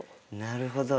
なるほど。